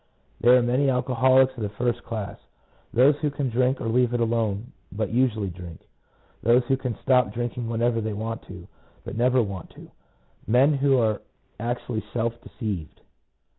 There are many alcoholics of the first class. Those who can drink or leave it alone, but usually drink; those who can stop drinking when ever they want to, but never want to; men who are actually self deceived.